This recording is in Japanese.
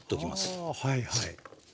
あはいはい。